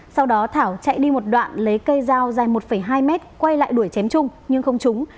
sau đó thảo chạy đi một đoạn lấy cây dao dài một hai mét quay lại đuổi chém chung nhưng không trúng